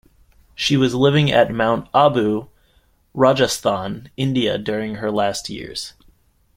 She was living at Mount Abu, Rajasthan, India during her last years.